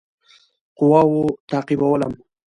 قواوو تعقیبولم.